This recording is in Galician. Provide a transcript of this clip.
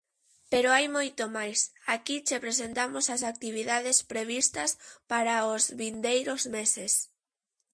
Pero hai moito máis, aquí che presentamos as actividades previstas para os vindeiros meses.